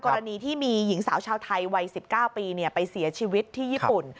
กรณีที่มีหญิงสาวชาวไทยวัย๑๙ปีไปเสียชีวิตที่ญี่ปุ่น